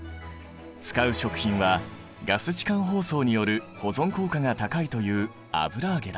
使う食品はガス置換包装による保存効果が高いという油揚げだ。